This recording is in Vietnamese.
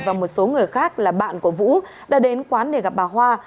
và một số người khác là bạn của vũ đã đến quán để gặp bà hoa